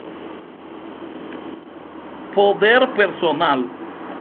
Poder personal.